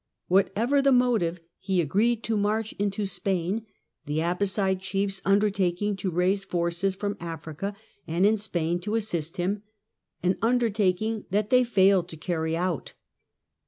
Whatever the motive, he agreed to march into Spain, the Abbasside chiefs undertaking to raise forces from Africa and in Spain to assist him — an undertaking that they failed to carry out.